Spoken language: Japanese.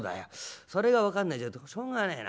それが分かんないようじゃしょうがねえな